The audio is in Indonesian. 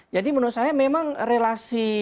jadi menurut saya memang relasi